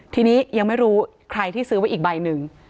ทีนี้ยังไม่รู้ใครที่ซื้อไว้อีกใบหนึ่ง